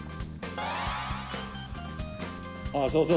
あー、そうそう。